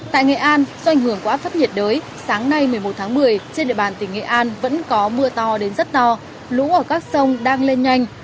tại nghệ an do ảnh hưởng của áp thấp nhiệt đới sáng nay một mươi một tháng một mươi trên địa bàn tỉnh nghệ an vẫn có mưa to đến rất to lũ ở các sông đang lên nhanh